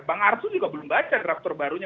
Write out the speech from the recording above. bang arsul juga belum baca draft terbarunya